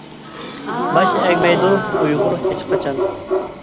باش ئەگمەيدۇ ئۇيغۇر ھېچقاچان !